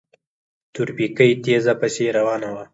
تورپيکۍ تېزه پسې روانه وه.